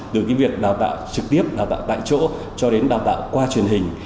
từ cái việc đào tạo trực tiếp đào tạo tại chỗ cho đến đào tạo qua truyền hình